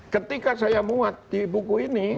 ketika saya muat di buku ini